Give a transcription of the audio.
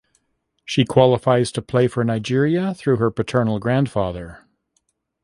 She qualifies to play for Nigeria through her paternal grandfather.